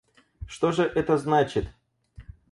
Что же это значит?